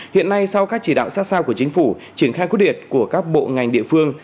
hiện nay sau các chỉ đạo sát sao của chính phủ triển khai quyết liệt của các bộ ngành địa phương